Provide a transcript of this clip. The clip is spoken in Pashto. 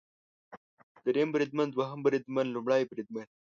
دریم بریدمن، دوهم بریدمن ، لومړی بریدمن